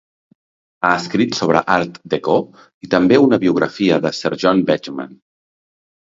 Ha escrit sobre art déco, i també una biografia de Sir John Betjeman.